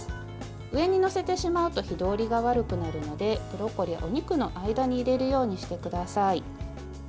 上に載せてしまうと火通りが悪くなるのでブロッコリーはお肉の間に入れるようにしてください。